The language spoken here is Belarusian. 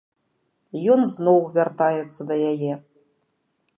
Ён зноў вяртаецца да яе.